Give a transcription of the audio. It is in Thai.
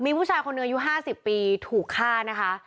มีผู้ชายคนหนึ่งอายุ๕๐ปีถูกฆ่านะคะ